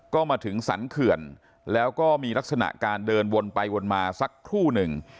ก็มาถึงสรรเขื่อนแล้วก็มีลักษณะการเดินวนไปวนมาสักครู่หนึ่ง